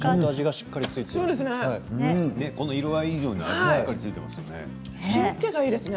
この色合い以上にしっかり付いていますね。